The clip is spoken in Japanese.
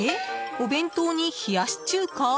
お弁当に冷やし中華？